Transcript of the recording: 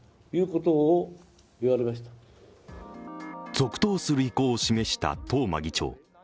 続投する意向を示した東間議長。